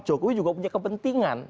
jokowi juga punya kepentingan